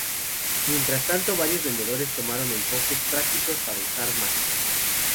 Mientras tanto varios vendedores tomaron enfoques prácticos para usar Mach.